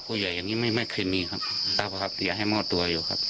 ผู้ใหญ่อย่างงี้ไม่ไม่เคยมีครับต้องครับเดี๋ยวให้มอดตัวอยู่ครับ